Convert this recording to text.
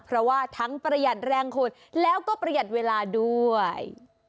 เพราะว่าทั้งประหยัดแรงขุดแล้วก็ประหยัดเวลาด้วย